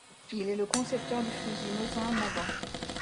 Il est le concepteur du fusil Mosin-Nagant.